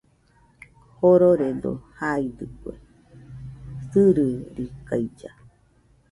Jororedo jaidɨkue sɨrɨrikailla.